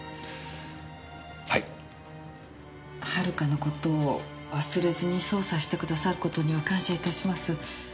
遥の事を忘れずに捜査してくださる事には感謝致します。